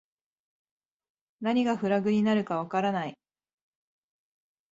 何がフラグになるかわからない